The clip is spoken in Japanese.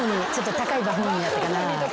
高いバフンウニやったかなぁ。